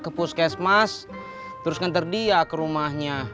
untuk pengebelin tualenya